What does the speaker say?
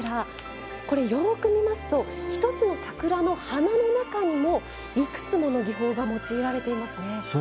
これ、よく見ますと１つの桜の花の中にもいくつもの技法が用いられていますね。